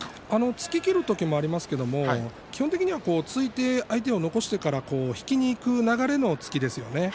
突ききれる時もありますけれども基本的には突いて相手を残してから引きにいく流れでの突きですよね。